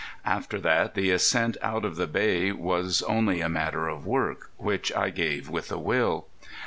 After that the ascent out of the Bay was only a matter of work, which I gave with a will.